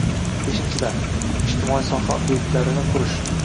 Beshinchidan, ijtimoiy soha obyektlarini qurish